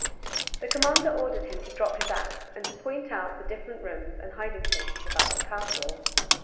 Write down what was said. The commander ordered him to drop his axe, and to point out the different rooms and hiding places about the castle.